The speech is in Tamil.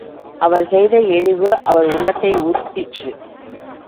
அவர் செய்த இழிவு, அவன் உள்ளத்தை உறுத்திற்று.